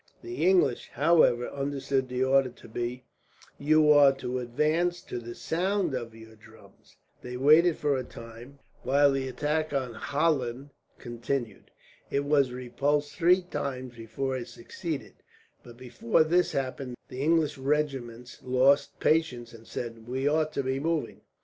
The English, however, understood the order to be, "You are to advance to the sound of your drums." They waited for a time, while the attack on Hahlen continued. It was repulsed three times before it succeeded, but before this happened the English regiments lost patience, and said, "We ought to be moving."